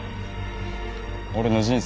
俺の人生